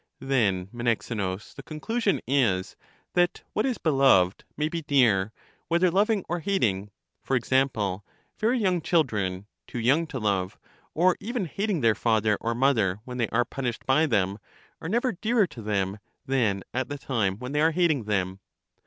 Then, Menexenus, the conclusion is, that what is beloved may be dear, whether loving or hating: for example, very young children, too young to love, or even hating their father or mother when they are pun ished by them, are never dearer to them than at the time when they are hating them.